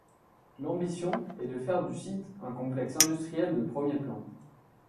L'ambition est de faire du site un complexe industriel de premier plan.